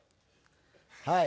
はい。